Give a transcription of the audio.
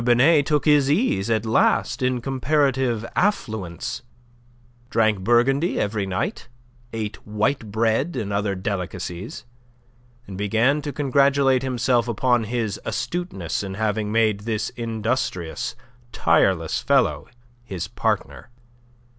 Binet took his ease at last in comparative affluence, drank Burgundy every night, ate white bread and other delicacies, and began to congratulate himself upon his astuteness in having made this industrious, tireless fellow his partner.